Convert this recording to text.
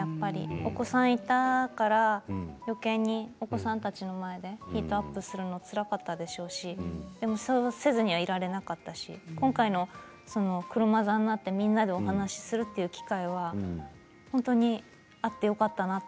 お子さんがいたからよけい、お子さんたちの前でヒートアップするのはつらかったでしょうしでもそうせずにいられなかったでしょうし今回の車座になってみんなでお話をするという機会は本当にあってよかったなって。